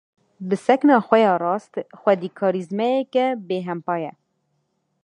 Bi sekna xwe ya rast, xwedî karîzmayeke bêhempa ye.